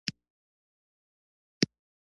له ګیلم جمو، تاراجیانو، چرسیانو او پوډریانو څخه.